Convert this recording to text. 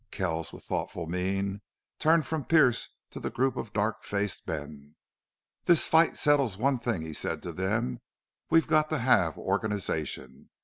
Kells, with thoughtful mien, turned from Pearce to the group of dark faced men. "This fight settles one thing," he said to them. "We've got to have organization.